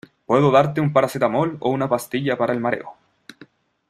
puedo darte un paracetamol o una pastilla para el mareo.